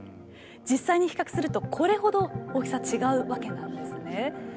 実際に比較すると、これほど大きさが違うわけなんですね。